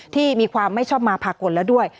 ที่มีความไม่ชอบมาพากลแล้วด้วย